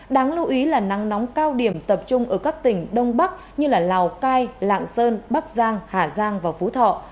đáng lưu ý là nắng nóng cao điểm tập trung ở các tỉnh đông bắc như lào cai lạng sơn bắc giang hà giang và phú thọ